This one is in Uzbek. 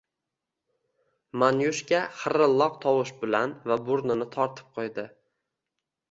Manyushka xirilloq tovush bilan va burnini tortib qoʻydi.